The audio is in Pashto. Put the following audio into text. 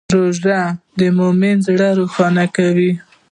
روژه د مؤمن زړه روښانه کوي.